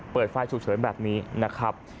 เปิดไฟฉุกเฉินแบบนี้นะครับ